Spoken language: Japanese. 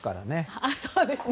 そうですね。